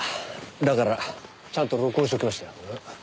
だからちゃんと録音しときました。